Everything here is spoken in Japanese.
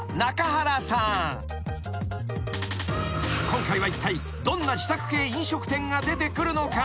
［今回はいったいどんな自宅系飲食店が出てくるのか？］